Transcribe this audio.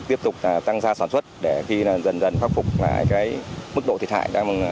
tiếp tục tăng ra sản xuất để khi dần dần phát phục lại mức độ thiệt hại